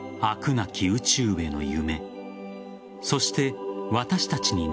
なき宇宙への夢。